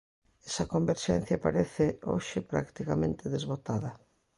Esa converxencia parece hoxe practicamente desbotada.